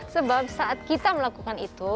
sebab saat kita melakukan itu